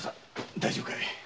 大丈夫かい？